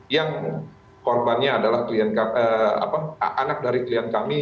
yang korbannya adalah anak dari klien kami